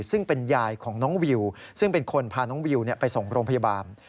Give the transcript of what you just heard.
ซึ่งเป็นยายของน้องวิวซึ่งเป็นคนพาน้องวิวไปส่งโรงพยาบาล